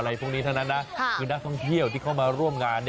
พวกนี้เท่านั้นนะคือนักท่องเที่ยวที่เข้ามาร่วมงาน